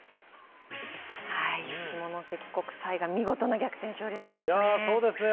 下関国際が見事な逆転勝利を挙げましたね。